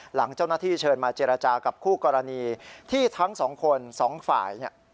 หลังเจ้าหน้าที่เชิญมาเจรจากับคู่กรณีที่ทั้งสองคนสองฝ่ายเนี่ย